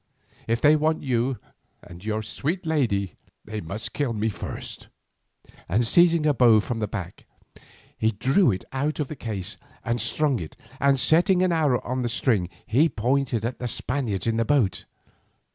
If they want you and your sweet lady they must kill me first,' and seizing a bow from the rack he drew it out of its case and strung it, and setting an arrow on the string he pointed it at the Spaniards in the boat.